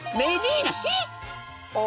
あ。